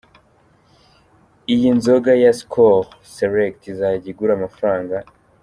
Iyi nzoga ya Skol Select izajya igura amafaranga